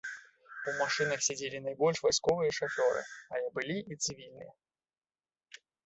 У машынах сядзелі найбольш вайсковыя шафёры, але былі і цывільныя.